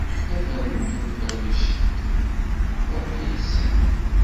A tamurt n Falicit, freḥ yes-i!